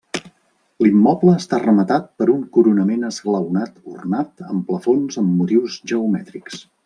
L'immoble està rematat per un coronament esglaonat ornat amb plafons amb motius geomètrics.